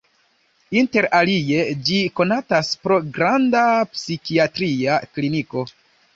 Inter alie ĝi konatas pro granda psikiatria kliniko.